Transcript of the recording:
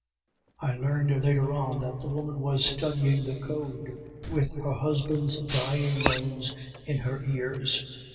"I learned later on that the woman was studying the Code, with her husband's dying moans in her ears.